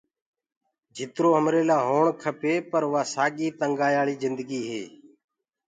جِترو همري لآ هوڻ کپي پو بس اَڻي اب بي وا ساڳي تنگایاݪ جِندگي هي۔